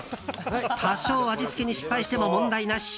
多少、味付けに失敗しても問題なし。